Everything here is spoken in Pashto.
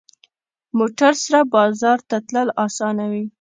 موټر سره بازار ته تلل اسانه وي.